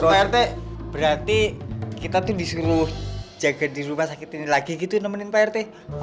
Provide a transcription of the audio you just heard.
pak rt berarti kita tuh disuruh jaga di rumah sakit ini lagi gitu nemenin pak rt